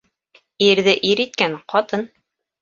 Ирҙе ир иткән ҡатын.